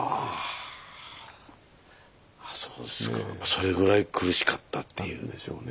それぐらい苦しかったっていう。でしょうね。